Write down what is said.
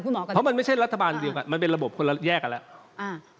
เพราะมันไม่ใช่รัฐบาลเดียวกันมันเป็นระบบคนละแยกกันแล้วอ่า